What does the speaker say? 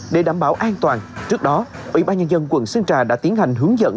để đảm bảo an toàn trước đó ủy ban nhân dân quận sơn trà đã tiến hành hướng dẫn